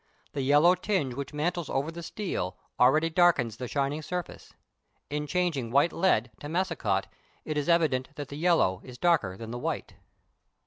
The yellow tinge which mantles over the steel, already darkens the shining surface. In changing white lead to massicot it is evident that the yellow is darker than white.